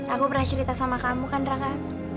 aku pernah cerita sama kamu kan raka